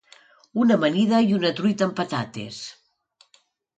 Una amanida i una truita amb patates.